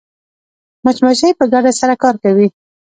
مچمچۍ په ګډه سره کار کوي